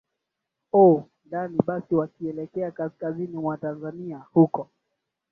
o ndani ya basi wakielekea kaskazini mwa tanzania huko